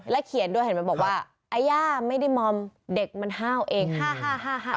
แล้วเขียนด้วยเห็นมันบอกว่าไอย่าไม่ได้มองเด็กมันให้เอาเองฮ่า